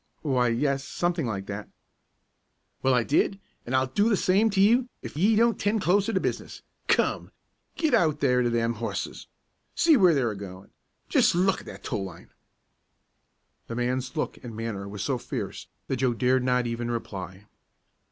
"Why, yes; something like that." "Well, I did, an' I'll do the same to you ef ye don't 'ten' closer to business. Come! Git out there to them horses! See w'ere they're a goin'! Jest look at that tow line!" The man's look and manner were so fierce that Joe dared not even reply.